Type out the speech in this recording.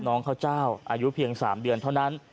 น้องข้าวเจ้าอายุเพียง๓เดือนเท่านั้น